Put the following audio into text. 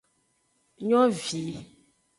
Nyovi.